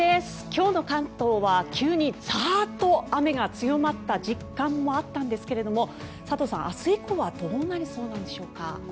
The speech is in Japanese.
今日の関東は急にザーッと雨が強まった時間もあったんですけれど佐藤さん、明日以降はどうなりそうなんでしょうか？